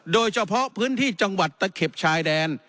โดยเฉพาะพื้นที่จังหวัดตะเข็บชายแดน